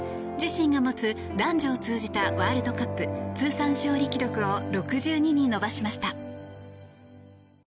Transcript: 自身が持つ男女を通じたワールドカップ通算勝利記録を６２に伸ばしました。